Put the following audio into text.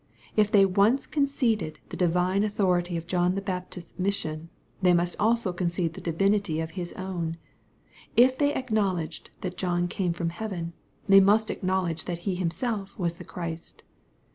If they once conceded tb'j divine authority of John the Baptist's mission, they in(7J3t also concede the divinity of His own. If they acknowledged that John eame from heaven, they must acknowledge that He Himself was the Christ.